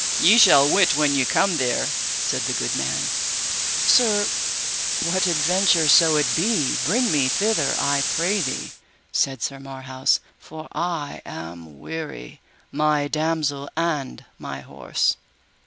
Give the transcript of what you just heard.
Ye shall wit when ye come there, said the good man. Sir, what adventure so it be, bring me thither I pray thee, said Sir Marhaus; for I am weary, my damosel, and my horse.